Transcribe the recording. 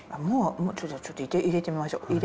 もうちょっと入れてみましょう。